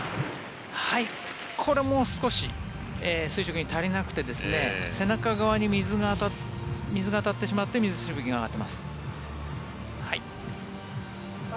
これも少し垂直に足りなくて背中側に水が当たってしまって水しぶきが上がっています。